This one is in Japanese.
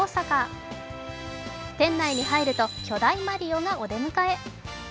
店内に入ると、巨大マリオがお出迎え。